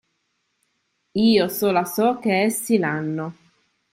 Io sola so che essi l’hanno.